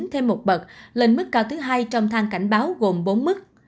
thêm một bậc lên mức cao thứ hai trong thang cảnh báo gồm bốn mức